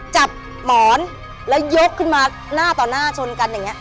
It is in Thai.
หมอนแล้วยกขึ้นมาหน้าต่อหน้าชนกันอย่างนี้